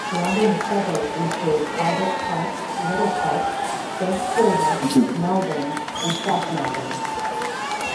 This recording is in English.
Surrounding suburbs include Albert Park, Middle Park, Saint Kilda, Melbourne and South Melbourne.